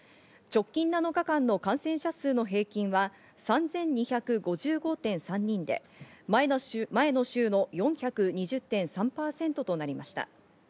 直近７日間の感染者数の平均は３２５５．３人で、前の週の４２０．３パーセントとなりました。